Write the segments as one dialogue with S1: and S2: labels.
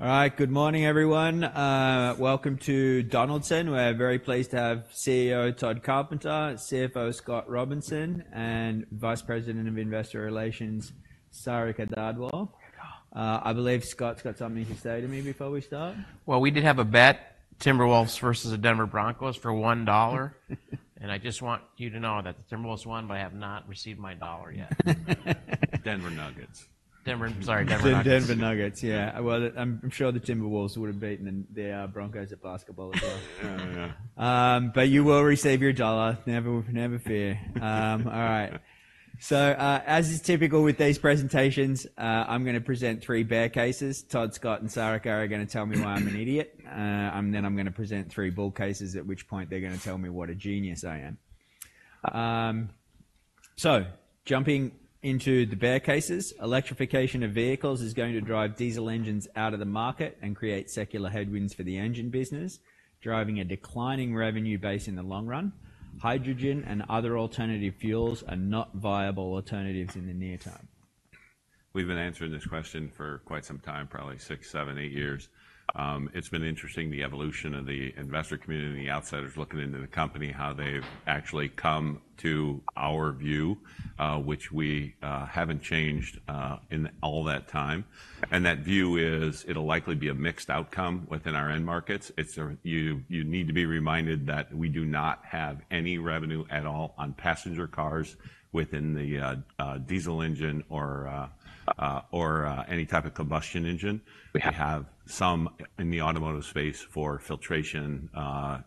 S1: All right. Good morning, everyone. Welcome to Donaldson. We're very pleased to have CEO Tod Carpenter, CFO Scott Robinson, and Vice President of Investor Relations, Sarika Dhadwal. I believe Scott's got something to say to me before we start.
S2: Well, we did have a bet, Timberwolves versus the Denver Broncos, for $1. I just want you to know that the Timberwolves won, but I have not received my $1 yet.
S3: Denver Nuggets.
S2: Denver. Sorry, Denver Nuggets.
S1: The Denver Nuggets, yeah. Well, I'm, I'm sure the Timberwolves would've beaten the Broncos at basketball as well.
S3: Yeah.
S1: But you will receive your $1. Never, never fear. All right. So, as is typical with these presentations, I'm gonna present three bear cases. Tod, Scott, and Sarika are gonna tell me why I'm an idiot. And then I'm gonna present three bull cases, at which point they're gonna tell me what a genius I am. So jumping into the bear cases, electrification of vehicles is going to drive diesel engines out of the market and create secular headwinds for the engine business, driving a declining revenue base in the long run. Hydrogen and other alternative fuels are not viable alternatives in the near term.
S3: We've been answering this question for quite some time, probably six, seven, eight years. It's been interesting, the evolution of the investor community and the outsiders looking into the company, how they've actually come to our view, which we haven't changed in all that time. That view is, it'll likely be a mixed outcome within our end markets. You need to be reminded that we do not have any revenue at all on passenger cars within the diesel engine or any type of combustion engine. We have some in the automotive space for filtration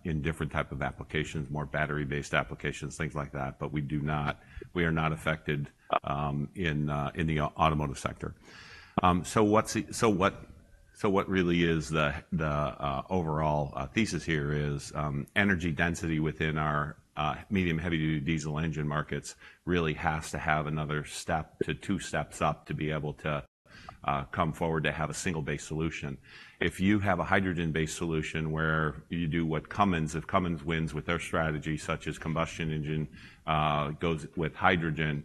S3: in different type of applications, more battery-based applications, things like that, but we are not affected in the automotive sector. So what really is the overall thesis here is, energy density within our medium, heavy-duty diesel engine markets really has to have another step to two steps up to be able to come forward to have a single-based solution. If you have a hydrogen-based solution where you do what Cummins, if Cummins wins with their strategy, such as combustion engine goes with hydrogen,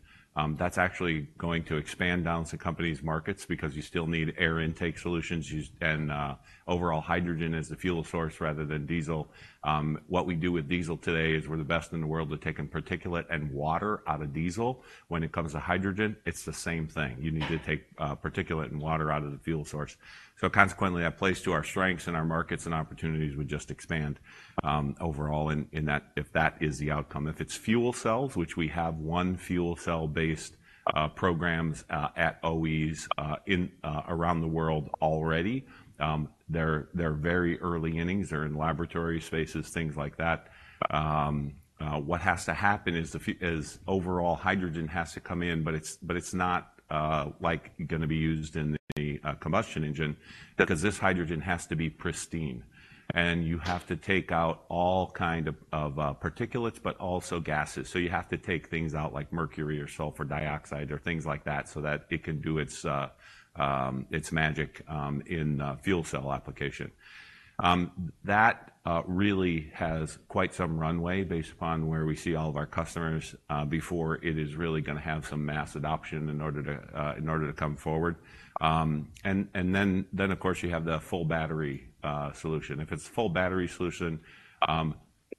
S3: that's actually going to expand down to company's markets because you still need air intake solutions. And overall hydrogen as a fuel source rather than diesel. What we do with diesel today is we're the best in the world at taking particulate and water out of diesel. When it comes to hydrogen, it's the same thing. You need to take particulate and water out of the fuel source. So consequently, that plays to our strengths, and our markets and opportunities would just expand overall in that, if that is the outcome. If it's fuel cells, which we have one fuel cell-based programs at OEs in around the world already, they're very early innings. They're in laboratory spaces, things like that. What has to happen is overall hydrogen has to come in, but it's not like gonna be used in the combustion engine. Because this hydrogen has to be pristine, and you have to take out all kind of particulates, but also gases. So you have to take things out like mercury or sulfur dioxide or things like that, so that it can do its magic in fuel cell application. That really has quite some runway based upon where we see all of our customers before it is really gonna have some mass adoption in order to in order to come forward. And then, of course, you have the full battery solution. If it's full battery solution,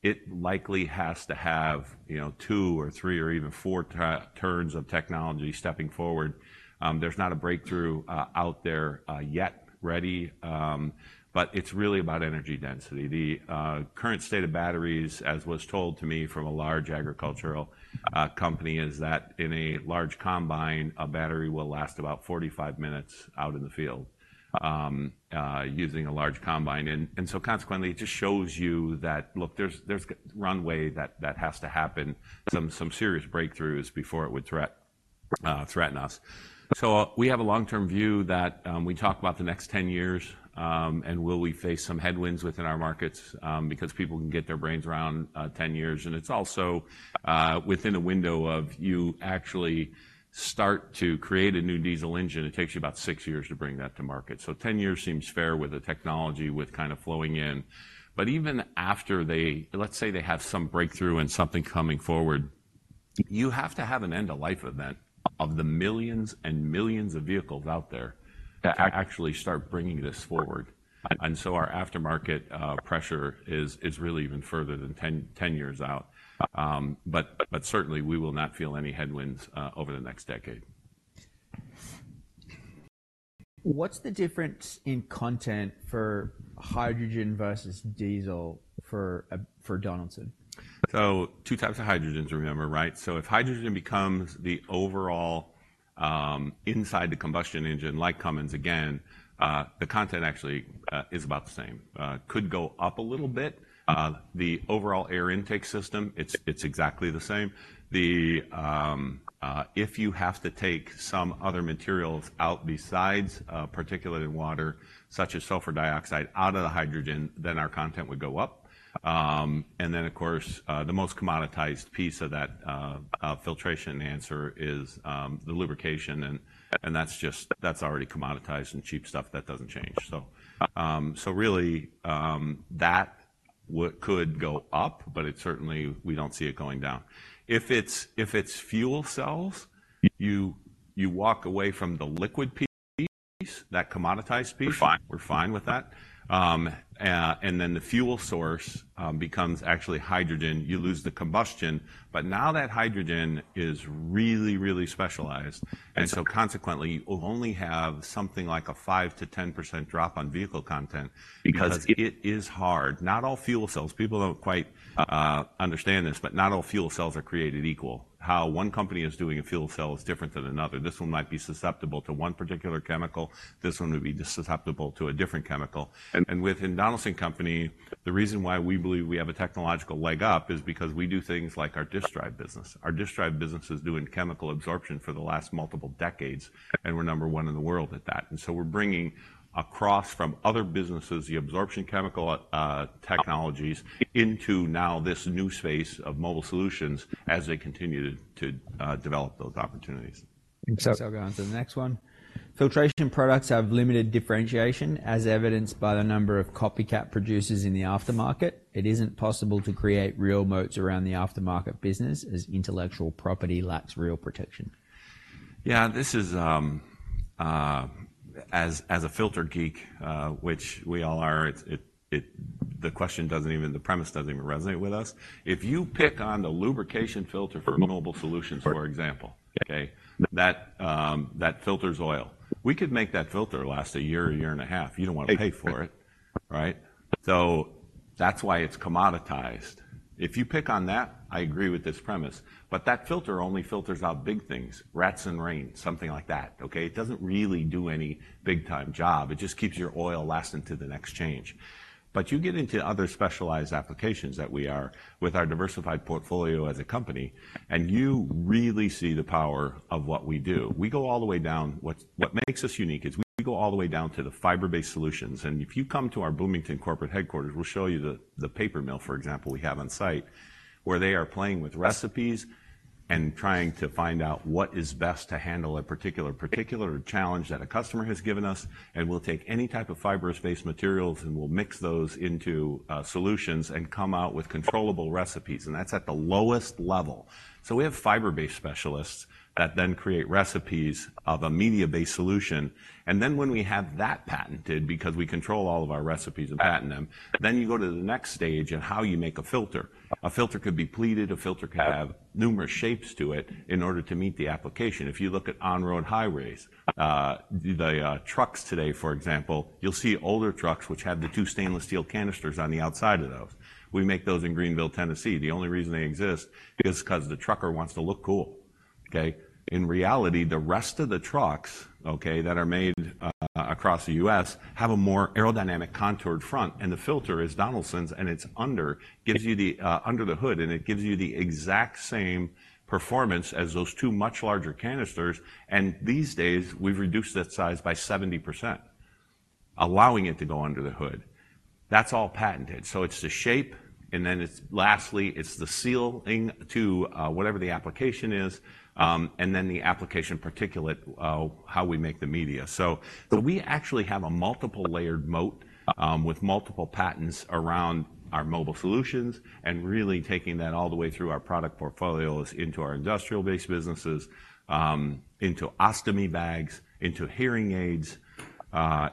S3: it likely has to have, you know, two or three or even four turns of technology stepping forward. There's not a breakthrough out there yet ready, but it's really about energy density. The current state of batteries, as was told to me from a large agricultural company, is that in a large combine, a battery will last about 45 minutes out in the field, using a large combine. So consequently, it just shows you that, look, there's runway that has to happen, some serious breakthroughs before it would threaten us. So we have a long-term view that we talk about the next 10 years, and will we face some headwinds within our markets? Because people can get their brains around 10 years, and it's also within a window of you actually start to create a new diesel engine. It takes you about six years to bring that to market. So 10 years seems fair with the technology, with kind of flowing in. But even after they. Let's say they have some breakthrough and something coming forward. You have to have an end-of-life event of the millions and millions of vehicles out there to actually start bringing this forward. And so our aftermarket pressure is really even further than 10, 10 years out. But certainly, we will not feel any headwinds over the next decade.
S1: What's the difference in content for hydrogen versus diesel for Donaldson?
S3: So two types of hydrogens, remember, right? So if hydrogen becomes the overall, inside the combustion engine, like Cummins again, the content actually is about the same. Could go up a little bit. The overall air intake system, it's exactly the same. If you have to take some other materials out besides particulate and water, such as sulfur dioxide, out of the hydrogen, then our content would go up. And then, of course, the most commoditized piece of that filtration answer is the lubrication, and that's just, that's already commoditized and cheap stuff. That doesn't change. So really, what could go up, but it certainly, we don't see it going down. If it's fuel cells, you walk away from the liquid piece, that commoditized piece. We're fine. We're fine with that. And then the fuel source becomes actually hydrogen. You lose the combustion, but now that hydrogen is really, really specialized. Yes. And so consequently, you will only have something like a 5%-10% drop on vehicle content. Because- It is hard. Not all fuel cells, people don't quite understand this, but not all fuel cells are created equal. How one company is doing a fuel cell is different than another. This one might be susceptible to one particular chemical. This one would be susceptible to a different chemical. And- And within Donaldson Company, the reason why we believe we have a technological leg up is because we do things like our disk drive business. Our disk drive business is doing chemical absorption for the last multiple decades, and we're number one in the world at that. And so we're bringing across from other businesses the absorption chemical technologies into now this new space of mobile solutions as they continue to develop those opportunities.
S1: I'll go on to the next one. Filtration products have limited differentiation, as evidenced by the number of copycat producers in the aftermarket. It isn't possible to create real moats around the aftermarket business, as intellectual property lacks real protection.
S3: Yeah, as a filter geek, which we all are, the question doesn't even, the premise doesn't even resonate with us. If you pick on the lubrication filter for mobile solutions, for example, okay? That filters oil. We could make that filter last a year, a year and a half. You don't wanna pay for it, right? So that's why it's commoditized. If you pick on that, I agree with this premise, but that filter only filters out big things, rats and rain, something like that, okay? It doesn't really do any big-time job. It just keeps your oil lasting to the next change. But you get into other specialized applications that we are with our diversified portfolio as a company, and you really see the power of what we do. We go all the way down. What makes us unique is we go all the way down to the fiber-based solutions, and if you come to our Bloomington corporate headquarters, we'll show you the paper mill, for example, we have on site, where they are playing with recipes and trying to find out what is best to handle a particular challenge that a customer has given us. And we'll take any type of fiber-based materials, and we'll mix those into solutions and come out with controllable recipes, and that's at the lowest level. So we have fiber-based specialists that then create recipes of a media-based solution, and then when we have that patented, because we control all of our recipes and patent them, then you go to the next stage in how you make a filter. A filter could be pleated. A filter could have numerous shapes to it in order to meet the application. If you look at on-road highways, the trucks today, for example, you'll see older trucks which have the two stainless steel canisters on the outside of those. We make those in Greeneville, Tennessee. The only reason they exist is 'cause the trucker wants to look cool, okay? In reality, the rest of the trucks, okay, that are made across the U.S., have a more aerodynamic contoured front, and the filter is Donaldson's, and it's under the hood, and it gives you the exact same performance as those two much larger canisters. And these days, we've reduced that size by 70%, allowing it to go under the hood. That's all patented. So it's the shape, and then it's, lastly, it's the sealing to, whatever the application is, and then the application particulate, how we make the media. So, so we actually have a multiple-layered moat, with multiple patents around our mobile solutions and really taking that all the way through our product portfolios into our industrial-based businesses, into ostomy bags, into hearing aids,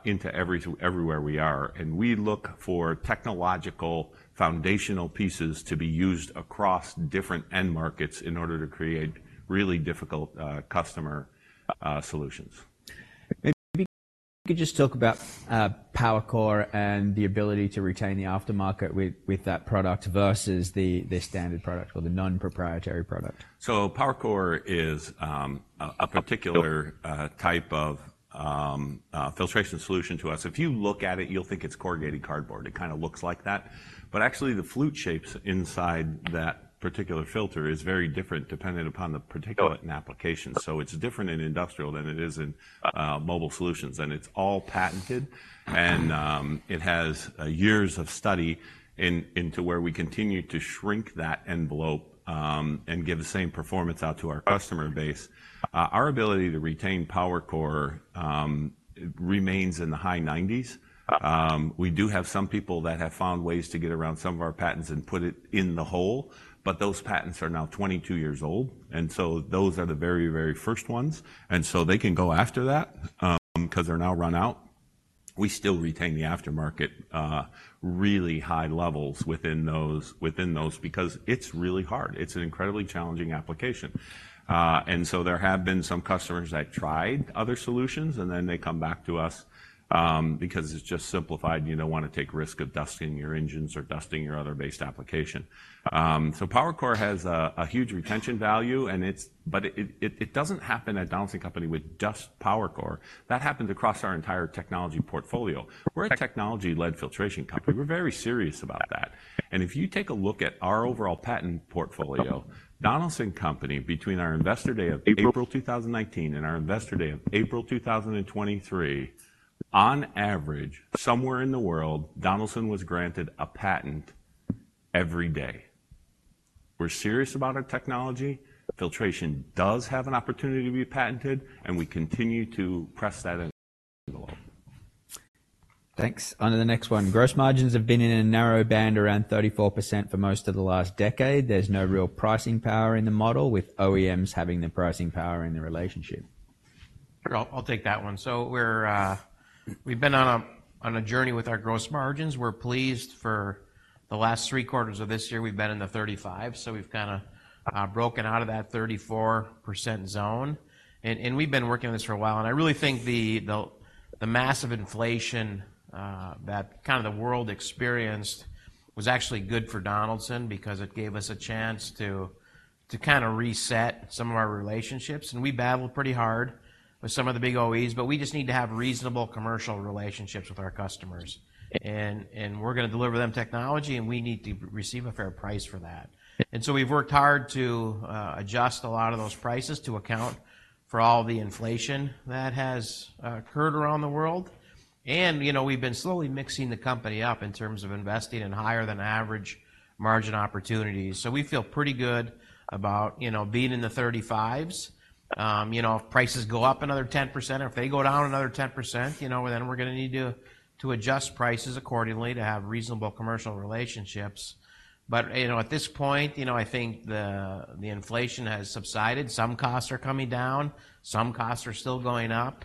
S3: into everywhere we are. And we look for technological foundational pieces to be used across different end markets in order to create really difficult, customer, solutions.
S1: Maybe you could just talk about PowerCore and the ability to retain the aftermarket with that product versus the standard product or the non-proprietary product.
S3: PowerCore is a particular type of filtration solution to us. If you look at it, you'll think it's corrugated cardboard. It kinda looks like that. But actually, the flute shapes inside that particular filter is very different dependent upon the particulate and application. So it's different in industrial than it is in mobile solutions, and it's all patented, and it has years of study into where we continue to shrink that envelope, and give the same performance out to our customer base. Our ability to retain PowerCore remains in the high 90s. We do have some people that have found ways to get around some of our patents and put it in the hole, but those patents are now 22 years old, and so those are the very, very first ones, and so they can go after that, 'cause they're now run out. We still retain the aftermarket, really high levels within those, because it's really hard. It's an incredibly challenging application. And so there have been some customers that tried other solutions, and then they come back to us, because it's just simplified. You don't want to take risk of dusting your engines or dusting your other based application. So PowerCore has a huge retention value, and it's but it doesn't happen at Donaldson Company with just PowerCore. That happens across our entire technology portfolio. We're a technology-led filtration company. We're very serious about that. If you take a look at our overall patent portfolio, Donaldson Company, between our Investor Day of April 2019 and our Investor Day of April 2023, on average, somewhere in the world, Donaldson was granted a patent every day. We're serious about our technology. Filtration does have an opportunity to be patented, and we continue to press that as we go along.
S1: Thanks. On to the next one. Gross margins have been in a narrow band around 34% for most of the last decade. There's no real pricing power in the model, with OEMs having the pricing power in the relationship.
S2: Sure, I'll take that one. So we're, we've been on a journey with our gross margins. We're pleased for the last three quarters of this year, we've been in the 35, so we've kinda broken out of that 34% zone. And we've been working on this for a while, and I really think the massive inflation that kind of the world experienced was actually good for Donaldson because it gave us a chance to kinda reset some of our relationships. And we battled pretty hard with some of the big OEs, but we just need to have reasonable commercial relationships with our customers. And we're gonna deliver them technology, and we need to receive a fair price for that. We've worked hard to adjust a lot of those prices to account for all the inflation that has occurred around the world. And, you know, we've been slowly mixing the company up in terms of investing in higher-than-average margin opportunities. So we feel pretty good about, you know, being in the 35s. You know, if prices go up another 10%, or if they go down another 10%, you know, then we're gonna need to adjust prices accordingly to have reasonable commercial relationships. But, you know, at this point, you know, I think the inflation has subsided. Some costs are coming down, some costs are still going up.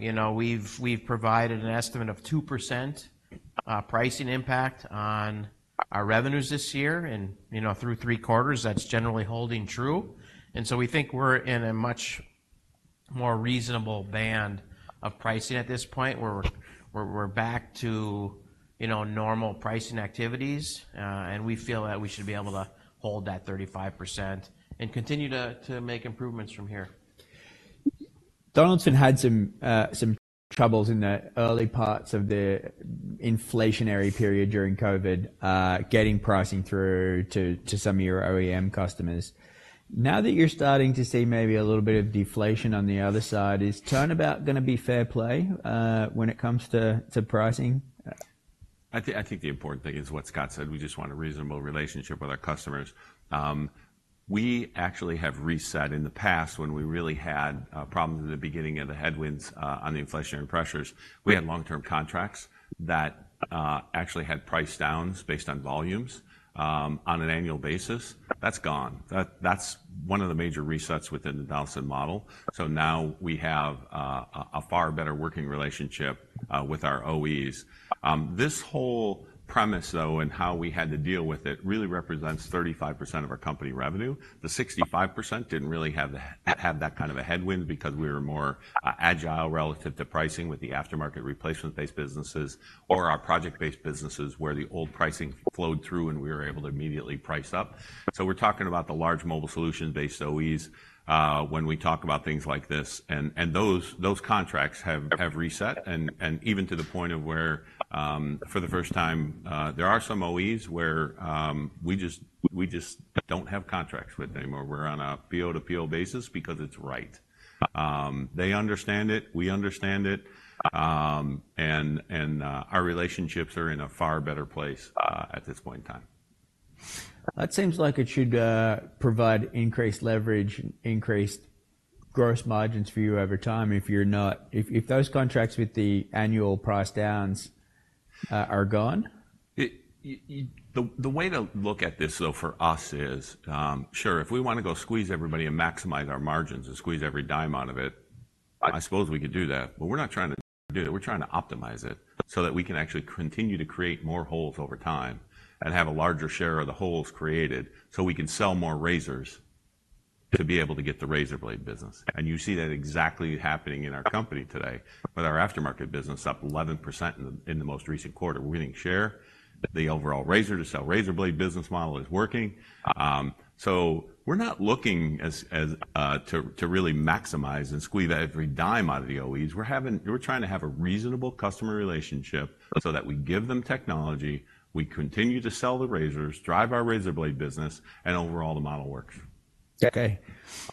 S2: You know, we've provided an estimate of 2% pricing impact on our revenues this year, and, you know, through three quarters, that's generally holding true. And so we think we're in a much more reasonable band of pricing at this point, where we're, where we're back to, you know, normal pricing activities. And we feel that we should be able to hold that 35% and continue to, to make improvements from here.
S1: Donaldson had some troubles in the early parts of the inflationary period during COVID, getting pricing through to some of your OEM customers. Now that you're starting to see maybe a little bit of deflation on the other side, is turnabout gonna be fair play, when it comes to pricing?
S3: I think, I think the important thing is what Scott said, we just want a reasonable relationship with our customers. We actually have reset. In the past, when we really had problems in the beginning of the headwinds on the inflationary pressures, we had long-term contracts that actually had price downs based on volumes on an annual basis. That's gone. That, that's one of the major resets within the Donaldson model. So now we have a far better working relationship with our OEs. This whole premise, though, and how we had to deal with it, really represents 35% of our company revenue. The 65% didn't really have the, have that kind of a headwind because we were more agile relative to pricing with the aftermarket replacement-based businesses or our project-based businesses, where the old pricing flowed through, and we were able to immediately price up. So we're talking about the large mobile solution-based OEs when we talk about things like this, and those contracts have reset and even to the point of where, for the first time, there are some OEs where we just don't have contracts with anymore. We're on a PO-to-PO basis because it's right. They understand it, we understand it, and our relationships are in a far better place at this point in time.
S1: That seems like it should provide increased leverage, increased gross margins for you over time if you're not, If, if those contracts with the annual price downs are gone?
S3: The way to look at this, though, for us is, sure, if we wanna go squeeze everybody and maximize our margins and squeeze every dime out of it, I suppose we could do that, but we're not trying to do that. We're trying to optimize it so that we can actually continue to create more holes over time and have a larger share of the holes created, so we can sell more razors to be able to get the razor blade business. And you see that exactly happening in our company today, with our aftermarket business up 11% in the most recent quarter. We're winning share. The overall razor-to-sell razor blade business model is working. So we're not looking to really maximize and squeeze every dime out of the OEs. We're having. We're trying to have a reasonable customer relationship so that we give them technology, we continue to sell the razors, drive our razor blade business, and overall the model works.
S1: Okay.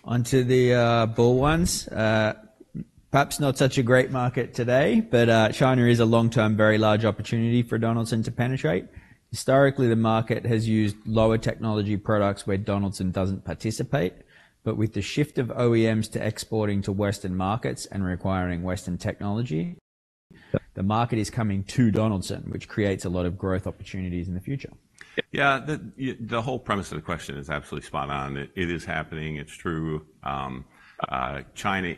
S1: On to the bull ones. Perhaps not such a great market today, but China is a long-term, very large opportunity for Donaldson to penetrate. Historically, the market has used lower-technology products where Donaldson doesn't participate, but with the shift of OEMs to exporting to Western markets and requiring Western technology, the market is coming to Donaldson, which creates a lot of growth opportunities in the future.
S3: Yeah, the whole premise of the question is absolutely spot on. It is happening, it's true. China,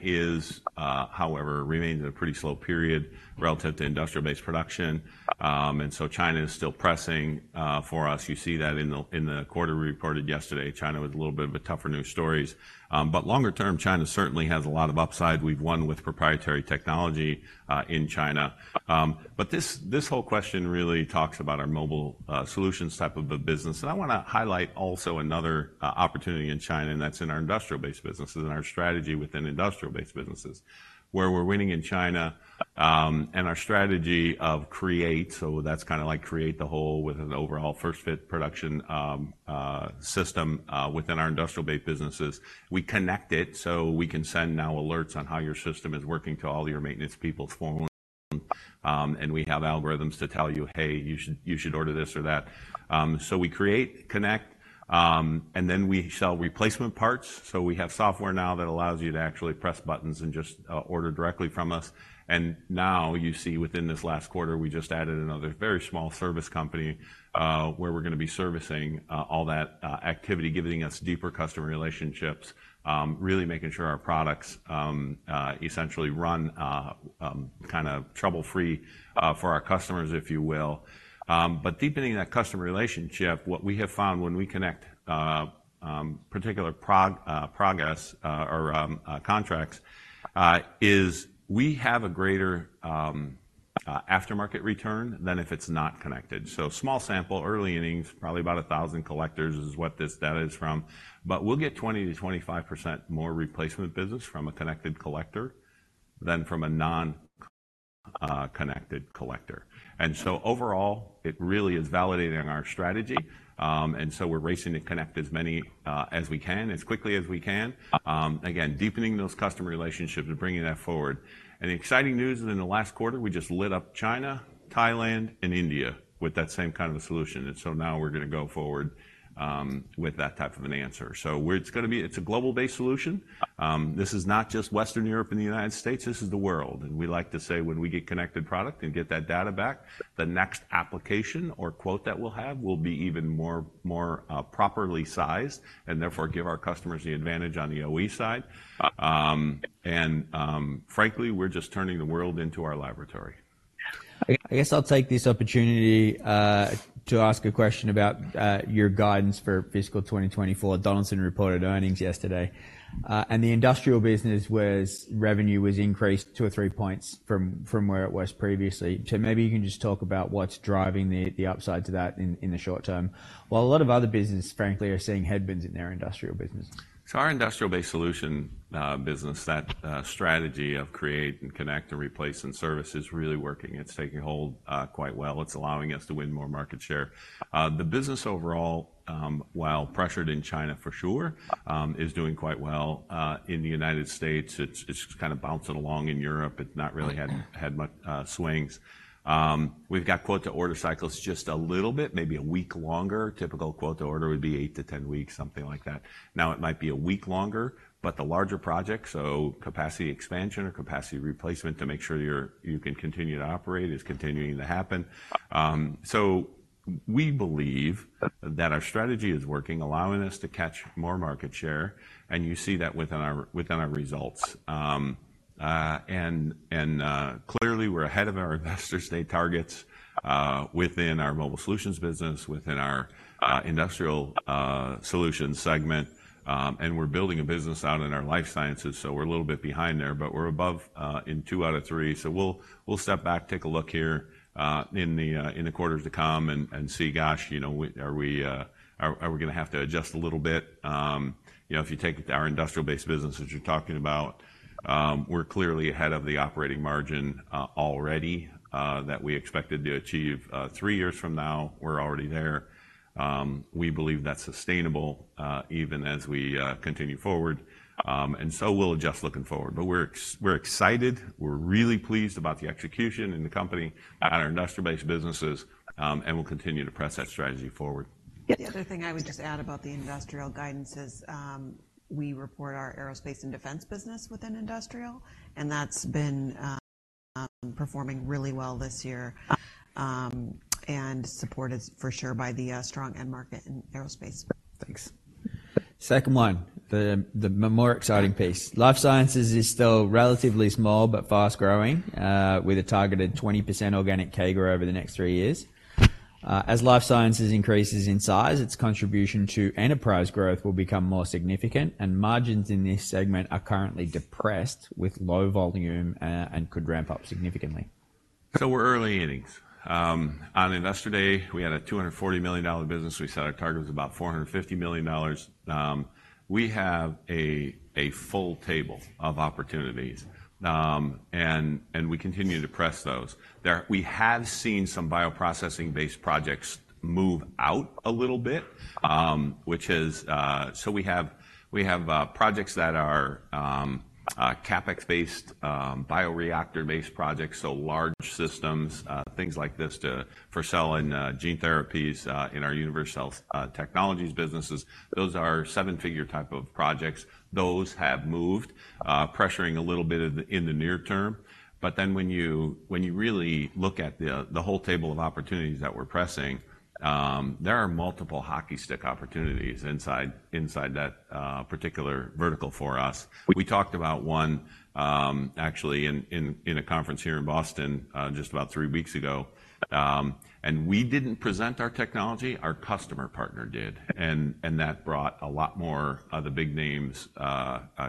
S3: however, remains at a pretty slow period relative to industrial-based production. And so China is still pressing for us. You see that in the quarter we reported yesterday. China was a little bit of a tougher news stories. But longer term, China certainly has a lot of upside. We've won with proprietary technology in China. But this whole question really talks about our mobile solutions type of a business, and I wanna highlight also another opportunity in China, and that's in our industrial-based businesses and our strategy within industrial-based businesses, where we're winning in China, and our strategy of create, so that's kinda like create the hole with an overall first-fit production system within our industrial-based businesses. We connect it, so we can send now alerts on how your system is working to all your maintenance people formally, and we have algorithms to tell you, "Hey, you should, you should order this or that." So we create, connect, and then we sell replacement parts. So we have software now that allows you to actually press buttons and just order directly from us. Now you see within this last quarter, we just added another very small service company, where we're gonna be servicing all that activity, giving us deeper customer relationships, really making sure our products essentially run kind of trouble-free for our customers, if you will. But deepening that customer relationship, what we have found when we connect particular progress or contracts is we have a greater aftermarket return than if it's not connected. So small sample, early innings, probably about 1,000 collectors is what this data is from. But we'll get 20%-25% more replacement business from a connected collector than from a non connected collector. And so overall, it really is validating our strategy. And so we're racing to connect as many as we can, as quickly as we can. Again, deepening those customer relationships and bringing that forward. And the exciting news is in the last quarter, we just lit up China, Thailand, and India with that same kind of a solution. And so now we're gonna go forward with that type of an answer. It's gonna be, it's a global-based solution. This is not just Western Europe and the United States, this is the world. And we like to say when we get connected product and get that data back, the next application or quote that we'll have will be even more properly sized, and therefore, give our customers the advantage on the OE side. And, frankly, we're just turning the world into our laboratory.
S1: I guess I'll take this opportunity to ask a question about your guidance for fiscal 2024. Donaldson reported earnings yesterday, and the industrial business revenue was increased 2-3 points from where it was previously. So maybe you can just talk about what's driving the upside to that in the short term, while a lot of other businesses, frankly, are seeing headwinds in their industrial business.
S3: So our industrial-based solution, business, that strategy of create and connect and replace and service is really working. It's taking hold, quite well. It's allowing us to win more market share. The business overall, while pressured in China for sure, is doing quite well, in the United States. It's kind of bouncing along in Europe, it's not really had had much swings. We've got quote-to-order cycles just a little bit, maybe a week longer. Typical quote-to-order would be eight to 10 weeks, something like that. Now, it might be a week longer, but the larger projects, so capacity expansion or capacity replacement to make sure you can continue to operate, is continuing to happen. So we believe that our strategy is working, allowing us to catch more market share, and you see that within our results. And clearly, we're ahead of our investor-stated targets within our mobile solutions business, within our industrial solutions segment. And we're building a business out in our life sciences, so we're a little bit behind there, but we're above in two out of three. So we'll step back, take a look here in the quarters to come and see, gosh, you know, are we gonna have to adjust a little bit? You know, if you take our industrial-based business that you're talking about, we're clearly ahead of the operating margin already that we expected to achieve three years from now. We're already there. We believe that's sustainable even as we continue forward. And so we'll adjust looking forward. We're excited. We're really pleased about the execution and the company at our industrial-based businesses, and we'll continue to press that strategy forward.
S4: The other thing I would just add about the industrial guidance is, we report our aerospace and defense business within industrial, and that's been performing really well this year, and supported for sure by the strong end market in aerospace.
S1: Thanks. Second one, the more exciting piece. Life sciences is still relatively small but fast-growing with a targeted 20% organic CAGR over the next three years. As life sciences increases in size, its contribution to enterprise growth will become more significant, and margins in this segment are currently depressed with low volume and could ramp up significantly.
S3: So we're early innings. On Investor Day, we had a $240 million business. We set our target was about $450 million. We have a full table of opportunities, and we continue to press those. There we have seen some bioprocessing-based projects move out a little bit, which is. So we have projects that are CapEx-based, bioreactor-based projects, so large systems, things like this to, for selling gene therapies, in our Univercells Technologies businesses. Those are seven-figure type of projects. Those have moved, pressuring a little bit in the near term. But then, when you really look at the whole table of opportunities that we're pressing, there are multiple hockey stick opportunities inside that particular vertical for us. We talked about one, actually in a conference here in Boston, just about three weeks ago. And we didn't present our technology, our customer partner did. And that brought a lot more of the big names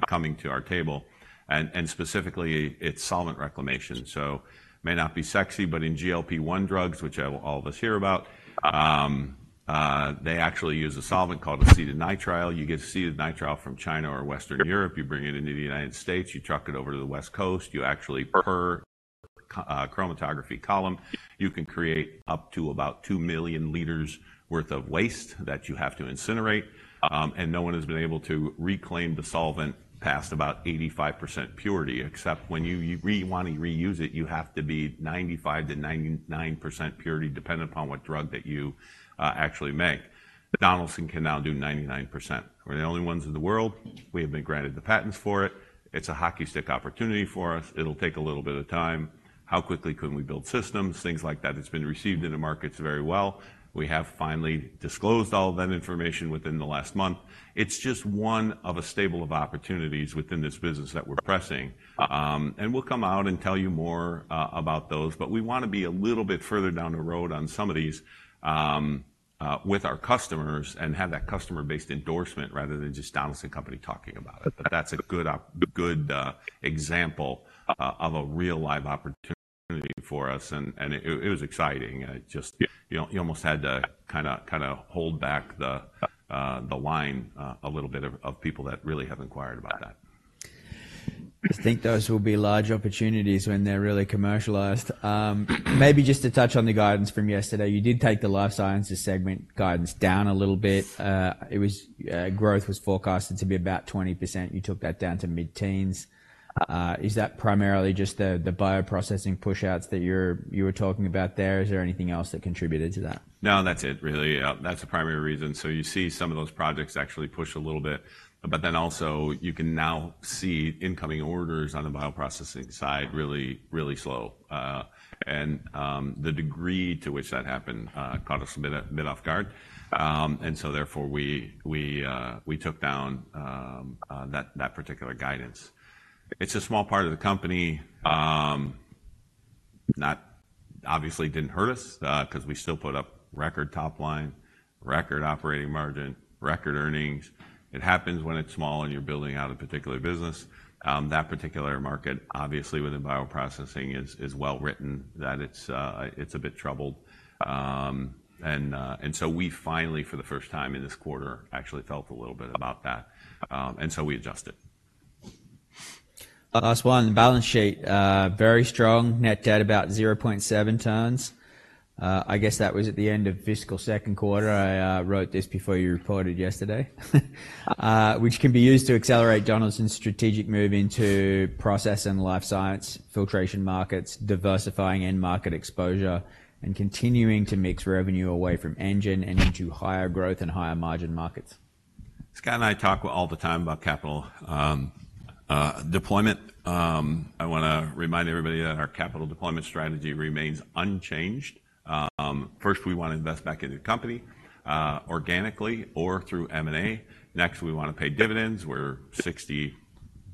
S3: coming to our table, and specifically, it's solvent reclamation. So may not be sexy, but in GLP-1 drugs, which all of us hear about, they actually use a solvent called acetonitrile. You get acetonitrile from China or Western Europe, you bring it into the United States, you truck it over to the West Coast, you actually pur- Chromatography column, you can create up to about 2 million liters worth of waste that you have to incinerate. No one has been able to reclaim the solvent past about 85% purity, except when you, you want to reuse it, you have to be 95%-99% purity, dependent upon what drug that you actually make. Donaldson can now do 99%. We're the only ones in the world. We have been granted the patents for it. It's a hockey stick opportunity for us. It'll take a little bit of time. How quickly can we build systems, things like that. It's been received in the markets very well. We have finally disclosed all of that information within the last month. It's just one of a stable of opportunities within this business that we're pressing. And we'll come out and tell you more about those, but we wanna be a little bit further down the road on some of these with our customers and have that customer-based endorsement, rather than just Donaldson Company talking about it. But that's a good example of a real live opportunity for us, and it was exciting. Just, you almost had to kinda hold back the line a little bit of people that really have inquired about that.
S1: I think those will be large opportunities when they're really commercialized. Maybe just to touch on the guidance from yesterday, you did take the life sciences segment guidance down a little bit. It was, growth was forecasted to be about 20%. You took that down to mid-teens. Is that primarily just the, the bioprocessing pushouts that you're, you were talking about there? Is there anything else that contributed to that?
S3: No, that's it, really. That's the primary reason. So you see some of those projects actually push a little bit, but then also you can now see incoming orders on the bioprocessing side really, really slow. The degree to which that happened caught us a bit, a bit off guard. And so therefore, we took down that particular guidance. It's a small part of the company. Not obviously didn't hurt us, 'cause we still put up record top line, record operating margin, record earnings. It happens when it's small and you're building out a particular business. That particular market, obviously within bioprocessing, is well written, that it's, it's a bit troubled. And so we finally, for the first time in this quarter, actually felt a little bit about that, and so we adjusted.
S1: Last one, the balance sheet, very strong, net debt about 0.7 times. I guess that was at the end of fiscal second quarter. I wrote this before you reported yesterday, which can be used to accelerate Donaldson's strategic move into process and life science, filtration markets, diversifying end market exposure, and continuing to mix revenue away from engine and into higher growth and higher margin markets.
S3: Scott and I talk all the time about capital deployment. I wanna remind everybody that our capital deployment strategy remains unchanged. First, we wanna invest back in the company organically or through M&A. Next, we wanna pay dividends. We're 60,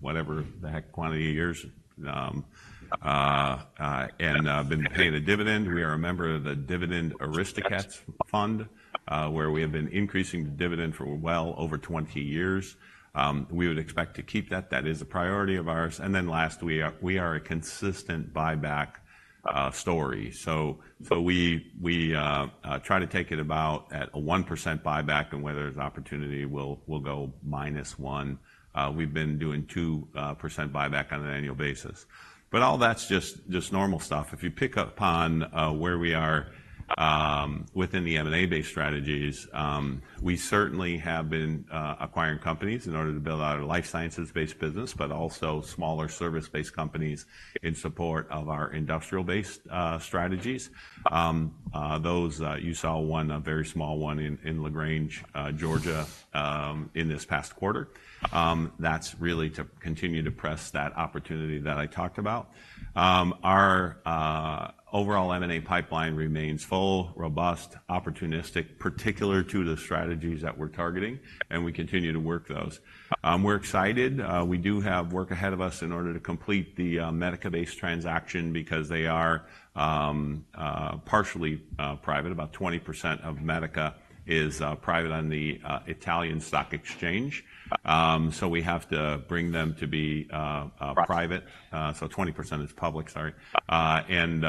S3: whatever the heck, quantity of years been paying a dividend. We are a member of the Dividend Aristocrats Fund, where we have been increasing the dividend for well over 20 years. We would expect to keep that. That is a priority of ours. And then last, we are a consistent buyback story. So we try to take it about at a 1% buyback, and where there's opportunity, we'll go -1%. We've been doing 2% buyback on an annual basis. But all that's just, just normal stuff. If you pick up on where we are within the M&A-based strategies, we certainly have been acquiring companies in order to build out a life sciences-based business, but also smaller service-based companies in support of our industrial-based strategies. Those you saw one, a very small one, in LaGrange, Georgia, in this past quarter. That's really to continue to press that opportunity that I talked about. Our overall M&A pipeline remains full, robust, opportunistic, particular to the strategies that we're targeting, and we continue to work those. We're excited. We do have work ahead of us in order to complete the Medica-based transaction because they are partially private. About 20% of Medica is private on the Italian stock exchange. So we have to bring them to be private. So 20% is public, sorry. And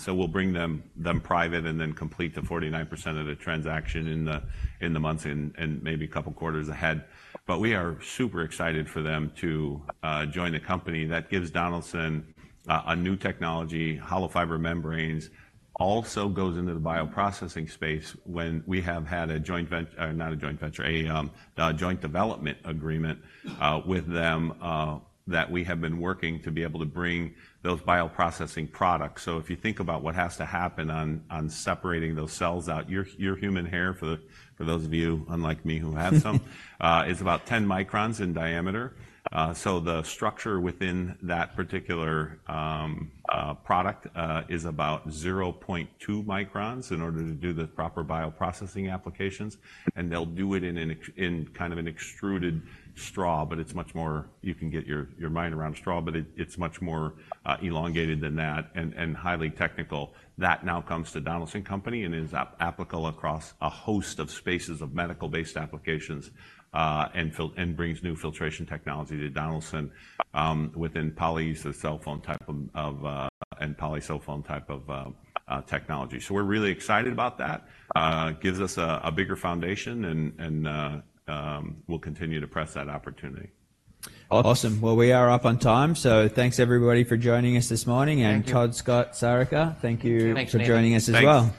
S3: so we'll bring them private and then complete the 49% of the transaction in the months and maybe a couple of quarters ahead. But we are super excited for them to join the company. That gives Donaldson a new technology, hollow fiber membranes. Also goes into the bioprocessing space when we have had a joint development agreement with them that we have been working to be able to bring those bioprocessing products. So if you think about what has to happen on separating those cells out, your human hair, for those of you, unlike me, who have some is about 10 microns in diameter. So the structure within that particular product is about 0.2 microns in order to do the proper bioprocessing applications, and they'll do it in an ex in kind of an extruded straw, but it's much more, you can get your, your mind around a straw, but it, it's much more, elongated than that and, and, highly technical. That now comes to Donaldson Company and is applicable across a host of spaces of medical-based applications, and brings new filtration technology to Donaldson, within polyethersulfone type of, and polysulfone type of, technology. So we're really excited about that. It gives us a, a bigger foundation, and, and, we'll continue to press that opportunity.
S1: Awesome. Well, we are up on time, so thanks everybody for joining us this morning.
S3: Thank you.
S1: Tod, Scott, Sarika, thank you-
S4: Thanks
S1: For joining us as well.